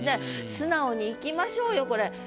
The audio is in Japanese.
素直にいきましょうよこれ。